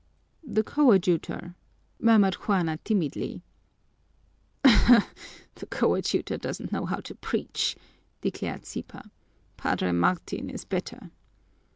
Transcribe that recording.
"The coadjutor," murmured Juana timidly. "Ahem! The coadjutor doesn't know how to preach," declared Sipa. "Padre Martin is better."